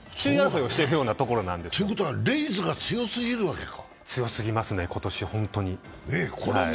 他の地区行けば、首位争いしてるようなところなんですよ。ということはレイズが強すぎるわけか。